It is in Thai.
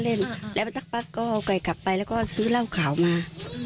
เราก็เอาไก่มาซื้อเหล้าขาวมา